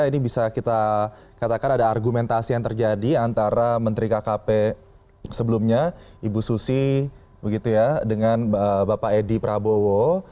ini bisa kita katakan ada argumentasi yang terjadi antara menteri kkp sebelumnya ibu susi dengan bapak edi prabowo